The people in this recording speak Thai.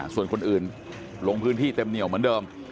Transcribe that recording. ส่วนคนอื่นลงพื้นที่เต็มเหนียวเหมือนเดิม